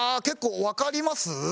結構わかります？